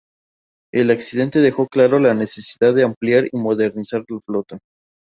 El accidente dejó claro la necesidad de ampliar y modernizar la flota.